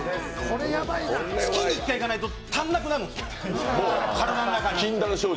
月に１回行かないと足らなくなるんです、体の中に。